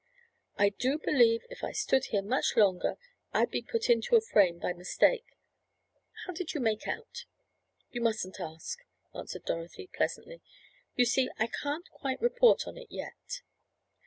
"I do believe if I stood here much longer I'd be put into a frame by mistake. How did you make out?" "You mustn't ask," answered Dorothy pleasantly. "You see I can't quite report on it yet."